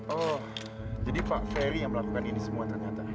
oh jadi pak ferry yang melakukan ini semua ternyata